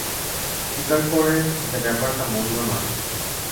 স্বীকার করে যে ব্যাপারটা মন্দ নয়।